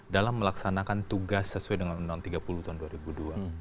dalam melaksanakan tugas sesuai dengan undang undang tiga puluh tahun dulu